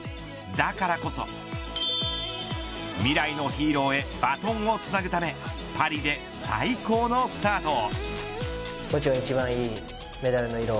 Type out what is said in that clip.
だからこそ未来のヒーローへバトンをつなぐためパリで最高のスタートを。